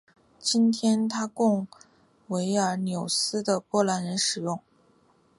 今天它供维尔纽斯的波兰人使用。